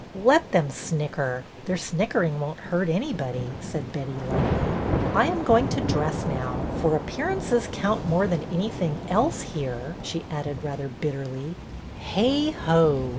"" Let them snicker — their snickering won't hurt anybody," said Betty, lightly. " I am going to dress now, for appearances count THE DUEL — AFTER ALL 89 more than anything else here," she added rather bitterly. " Heigh ho